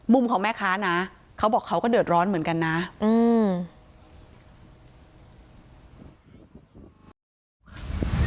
ของแม่ค้านะเขาบอกเขาก็เดือดร้อนเหมือนกันนะอืม